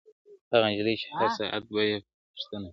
هغه نجلۍ چي هر ساعت به یې پوښتنه کول.